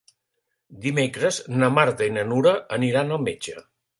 Dimecres na Marta i na Nura aniran al metge.